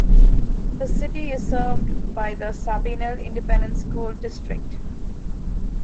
The city is served by the Sabinal Independent School District.